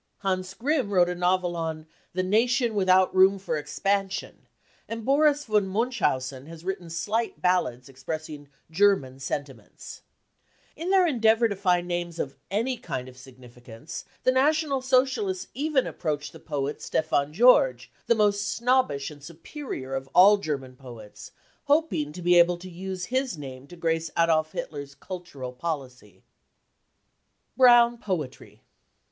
Hans Grimm wrote a novel on " the nation without room for expansion," and Borris von Munchhausen has written slight ballads expressing German sentiments, y In their endeavour to find names of any kind of signi | ficance the National Socialists even approached the poet I Stefan George, the most snobbish and superior of all j! German poets, hoping to be able to use his name to grace ! Adolf Hitler's cultural policy. Brown Poetry.